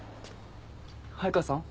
早川さん？